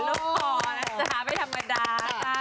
โอ้โหล่ะจะหาไปธรรมดา